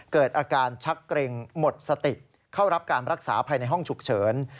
เกิดอาการชักเกร็งหมดสติเข้ารับการรักษาภายในห้องฉุกเฉิน